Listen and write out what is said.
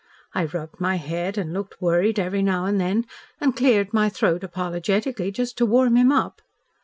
I rubbed my head and looked worried every now and then and cleared my throat apologetically just to warm him up.